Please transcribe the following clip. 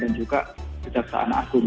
dan juga kejaksaan agung yang